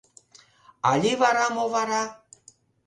Али вара, мо вара